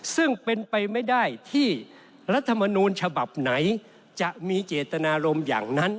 ซึ่งเป็นไปไม่ได้ที่รัฐมนูลฉบับไหนจะมีเจตนารมณ์อย่างนั้น